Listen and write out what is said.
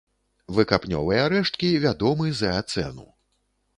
Выкапнёвыя рэшткі вядомы з эацэну.